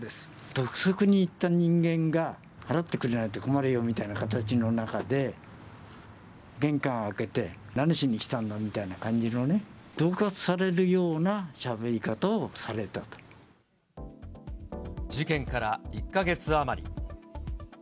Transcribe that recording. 督促に行った人間が払ってくれないと困るよみたいな形の中で、玄関開けて、何しに来たんだみたいな感じのね、どう喝されるようなしゃべり方を事件から１か月余り。